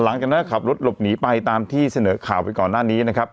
หลังจากนั้นก็ขับรถหลบหนีไปตามที่เสนอข่าวไปก่อนหน้านี้นะครับ